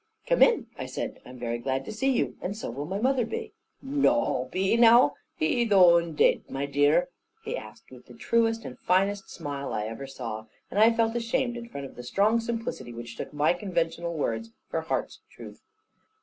"Come in," I said, "I am very glad to see you, and so will my mother be." "Noo! Be e now? Be e though undade, my dear?" he asked with the truest and finest smile I ever saw: and I felt ashamed in front of the strong simplicity which took my conventional words for heart's truth.